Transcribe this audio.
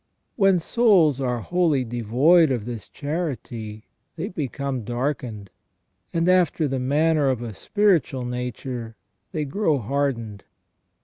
When souls are wholly devoid of this charity they become darkened, and after the manner of a spiritual nature they grow hardened.